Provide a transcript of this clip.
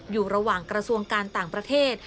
อยู่ระหว่างกระทรวงการต่างประเทศ